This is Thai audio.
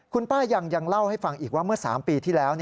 คุณป้ายังยังเล่าให้ฟังอีกว่าเมื่อ๓ปีที่แล้ว